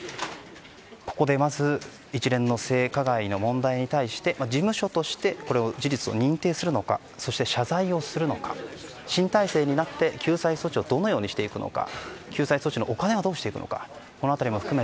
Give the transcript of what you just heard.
ここでまず、一連の性加害の問題に対して事務所として事実を認定するのかそして、謝罪をするのか新体制になって救済措置をどのようにしていくのか。